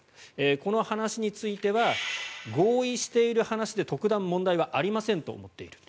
この話については合意している話で特段問題はありませんと思っている。